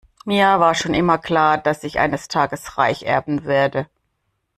Mir war schon immer klar, dass ich eines Tages reich erben werde.